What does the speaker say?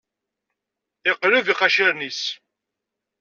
Yeqleb iqaciren-is.